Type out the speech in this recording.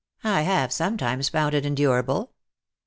I have sometimes found it endurable.